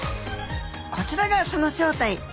こちらがその正体。